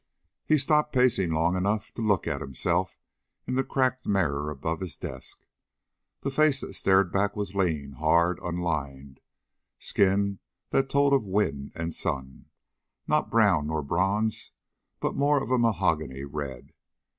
He stopped pacing long enough to look at himself in the cracked mirror above his desk. The face that stared back was lean, hard, unlined skin that told of wind and sun, not brown nor bronze but more of a mahogany red.